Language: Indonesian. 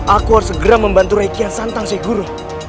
aku harus segera membantu rakyat santang sheikh guru